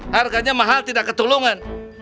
harganya mahal tidak ketulungan